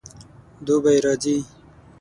دوبی راځي